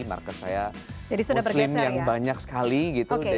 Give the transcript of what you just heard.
market saya muslim yang banyak sekali gitu